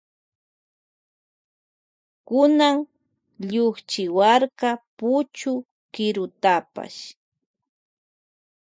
Kunan llukchiwarka puchu kirutapash.